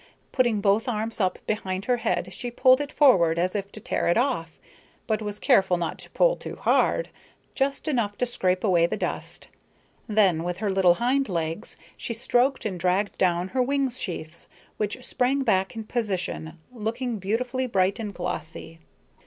Putting both arms up behind her head she pulled it forward as if to tear it off, but was careful not to pull too hard, just enough to scrape away the dust; then, with her little hind legs, she stroked and dragged down her wing sheaths, which sprang back in position looking beautifully bright and glossy.